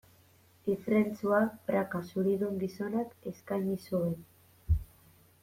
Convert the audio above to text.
Ifrentzua praka zuridun gizonak eskaini zuen.